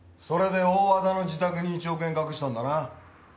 それで大和田の自宅に１億円隠したんだな？